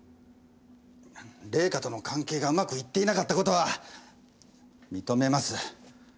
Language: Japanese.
玲香との関係がうまくいっていなかった事は認めます。